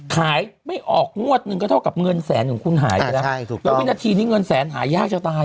ไม่ออกงวดหนึ่งก็เท่ากับเงินแสนของคุณหายไปแล้วแล้ววินาทีนี้เงินแสนหายากจะตาย